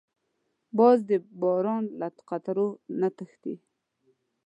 باز د باران له قطرو نه تښتي